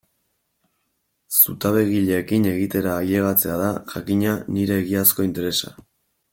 Zutabegileekin egitera ailegatzea da, jakina, nire egiazko interesa.